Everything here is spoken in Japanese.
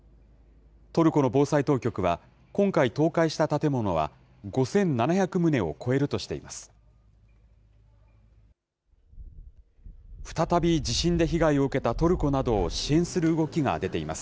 トルコの防災当局は、今回倒壊した建物は５７００棟を超えるとしています。